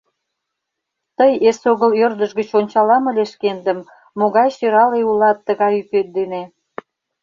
— Тый эсогыл ӧрдыж гыч ончалам ыле шкендым, могай сӧрале улат тыгай ӱпет дене!